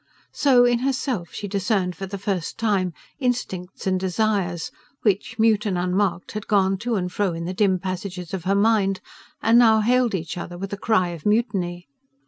So, in herself, she discerned for the first time instincts and desires, which, mute and unmarked, had gone to and fro in the dim passages of her mind, and now hailed each other with a cry of mutiny.